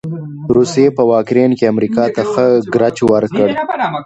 روسې په يوکراين کې امریکا ته ښه ګړچ ورکړ.